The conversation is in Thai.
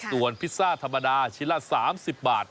ส่วนพิซซ่าธรรมดาชิ้นละ๓๐บาท